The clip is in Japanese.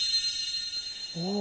おお。